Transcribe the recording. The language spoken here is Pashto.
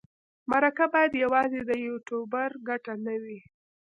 مرکه باید یوازې د یوټوبر ګټه نه وي.